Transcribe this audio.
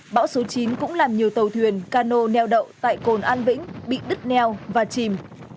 bão số chín cũng làm nhiều tàu thuyền cano neo đậu tại cồn an vĩnh bị đứt neo và chìm